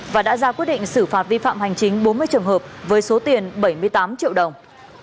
và đã ra quyết định xử phạt vi phạm hành chính bốn mươi trường hợp với số tiền bảy mươi tám triệu đồng